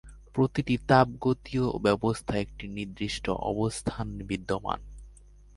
প্রতিটি তাপগতীয় ব্যবস্থা একটি নির্দিষ্ট অবস্থায় বিদ্যমান।